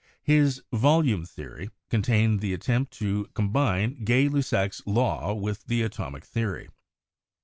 His "volume the ory" contained the attempt to combine Gay Lussac's law with the atomic theory.